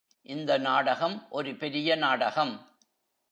இந்த நாடகம் ஒரு பெரிய நாடகம்.